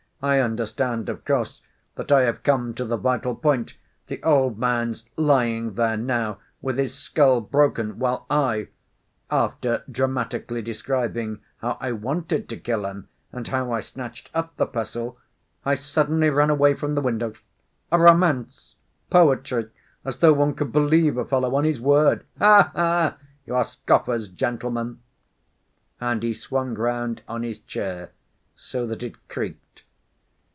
I understand, of course, that I have come to the vital point. The old man's lying there now with his skull broken, while I—after dramatically describing how I wanted to kill him, and how I snatched up the pestle—I suddenly run away from the window. A romance! Poetry! As though one could believe a fellow on his word. Ha ha! You are scoffers, gentlemen!" And he swung round on his chair so that it creaked.